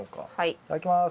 いただきます。